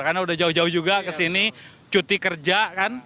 karena udah jauh jauh juga ke sini cuti kerja kan